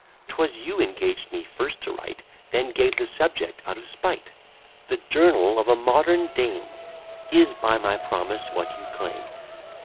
'Twas you engaged me first to write, Then gave the subject out of spite: The journal of a modern dame, Is, by my promise, what you claim.